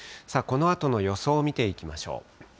このあとの予想を見ていきましょう。